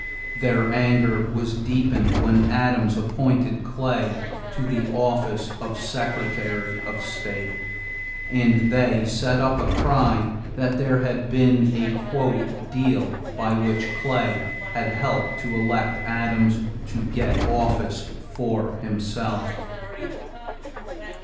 Their anger was deepened when Adams appointed Clay to the office of Secretary of State; and they set up a cry that there had been a "deal" by which Clay had helped to elect Adams to get office for himself.